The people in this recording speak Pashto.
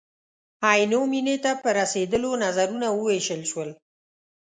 عینو مېنې ته په رسېدلو نظرونه ووېشل شول.